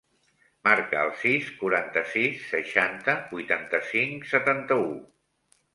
Marca el sis, quaranta-sis, seixanta, vuitanta-cinc, setanta-u.